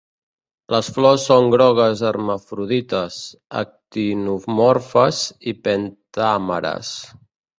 Les flors són grogues hermafrodites, actinomorfes i pentàmeres.